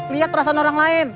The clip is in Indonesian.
liat perasaan orang lain